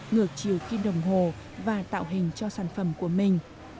ngược chiều khi đồng hồ và tạo hình cho sản phẩm của mình